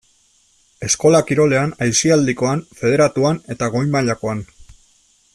Eskola kirolean, aisialdikoan, federatuan eta goi-mailakoan.